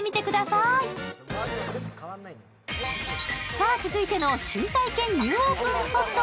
さあ、続いての新体験ニューオープンスポット